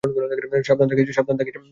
সাবধান থাকিস রে!